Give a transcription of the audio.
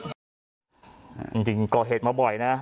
จริงก่อเห็ดมาบ่อยนะครับ